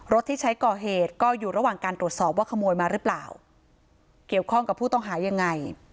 ที่ใช้ก่อเหตุก็อยู่ระหว่างการตรวจสอบว่าขโมยมาหรือเปล่าเกี่ยวข้องกับผู้ต้องหายังไง